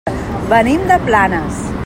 Venim de Planes.